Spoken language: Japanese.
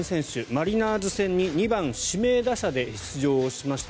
マリナーズ戦に２番指名打者で出場しました。